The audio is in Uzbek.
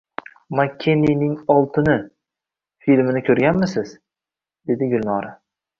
— «Makkenining oltini» filmini koʼrganmisiz? — dedi Gulnora.